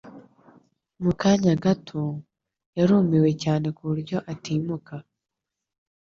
Mu kanya gato, yarumiwe cyane ku buryo atimuka.